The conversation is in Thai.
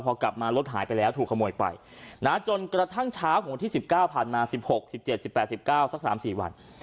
พอกลับมารถหายไปแล้วถูกขโมยไปจนกระทั่งเช้าของวันที่๑๙ผ่านมา๑๖๑๗๑๘๑๙สัก๓๔วัน